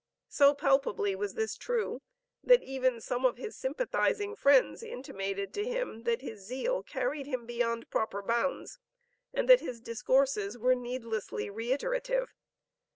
So palpably was this true, that even some of his sympathizing friends intimated to him, that his zeal carried him beyond proper bounds, and that his discourses were needlessly reiterative.